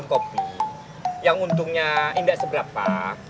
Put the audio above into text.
kamu indah seberapa